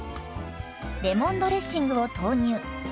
レモンドレッシングを投入。